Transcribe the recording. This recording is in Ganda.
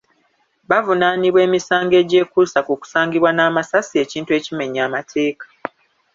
Bavunaanibwa emisango egyekuusa ku kusangibwa n'amasasi ekintu ekimenya amateeka.